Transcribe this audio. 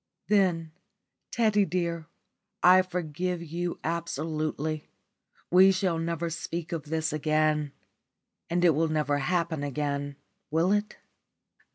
"Then, Teddy dear, I forgive you absolutely. We will never speak of this again. And it will never happen again, will it?"